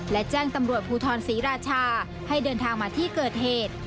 และแจ้งตำรวจภูทรศรีราชาให้เดินทางมาที่เกิดเหตุ